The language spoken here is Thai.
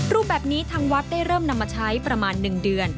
รูปแบบนี้ทางวัดได้เริ่มนำมาใช้ประมาณ๑เดือน